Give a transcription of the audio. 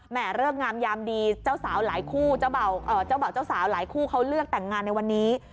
เลิกงามยามดีเจ้าสาวหลายคู่เจ้าบ่าวเจ้าสาวหลายคู่เขาเลือกแต่งงานในวันนี้